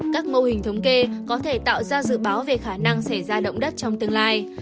các mô hình thống kê có thể tạo ra dự báo về khả năng xảy ra động đất trong tương lai